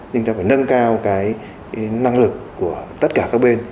nhưng ta phải nâng cao cái năng lực của tất cả các bên